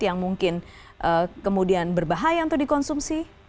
yang mungkin kemudian berbahaya untuk dikonsumsi